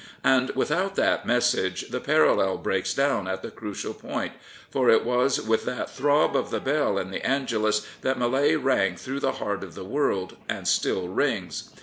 And without that message the parallel breaks down at the crucial point, for it was with that throb of the bell in the " Angelus that Millet rang through the heart of the world and still rings.